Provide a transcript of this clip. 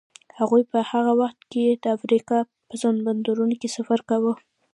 هغوی په هغه وخت کې د افریقا په سمندرونو کې سفر کاوه.